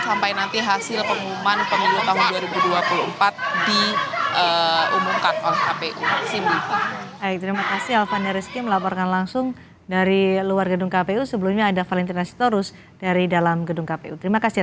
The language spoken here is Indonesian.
sampai nanti hasil pengumuman pemilu tahun dua ribu dua puluh empat diumumkan oleh kpu